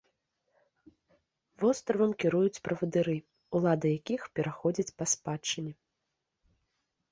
Востравам кіруюць правадыры, улада якіх пераходзіць па спадчыне.